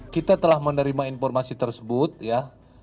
kita telah menerima informasi tersebut ya